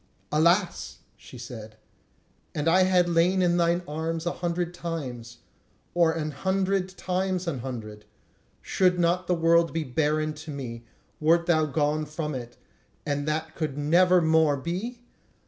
"Alas!" she said, "and had I lain in thine arms an hundred times, or an hundred times an hundred, should not the world be barren to me, wert thou gone from it, and that could never more be?